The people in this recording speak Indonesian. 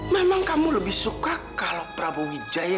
memang kamu lebih suka kalau prabowo wijaya